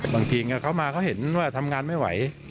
บางทีเงี่ยเค้ามาเค้าเห็นทำงานไม่ไหว